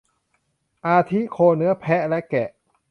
อาทิ โคเนื้อ แพะ และแกะ